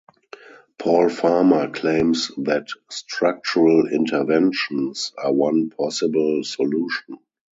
Paul Farmer claims that "structural interventions" are one possible solution.